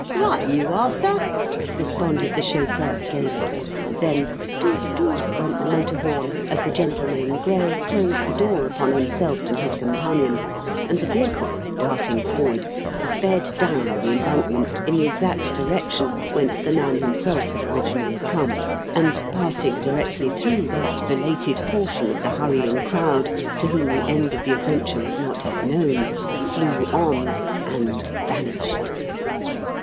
"Right you are, sir," responded the chauffeur gaily. Then "toot toot" went the motor horn as the gentleman in grey closed the door upon himself and his companion, and the vehicle, darting forward, sped down the Embankment in the exact direction whence the man himself had originally come, and, passing directly through that belated portion of the hurrying crowd to whom the end of the adventure was not yet known, flew on and vanished.